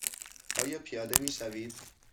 آیا پیاده می شوید؟